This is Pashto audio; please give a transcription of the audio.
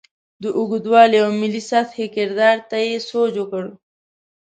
د اوږدوالي او ملي سطحې کردار ته یې سوچ وکړې.